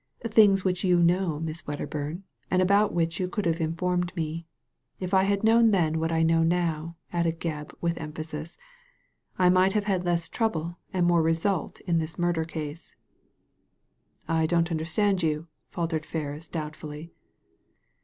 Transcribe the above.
"Things which you know. Miss Wedderburn, and about which you could have informed me. If I had known then what I know now," added Gebb, with emphasis, " I might have had less trouble and more result in this murder case." " I don't understand you," faltered Ferris, doubtfully.